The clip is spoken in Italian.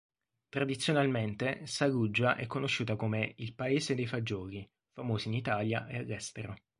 Tradizionalmente, Saluggia è conosciuta come "il paese dei fagioli", famosi in Italia e all'estero.